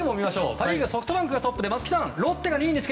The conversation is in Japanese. パ・リーグはソフトバンクがトップで松木さん、ロッテが２位です。